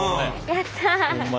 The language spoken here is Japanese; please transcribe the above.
やった。